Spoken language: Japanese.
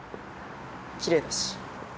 きれいだし。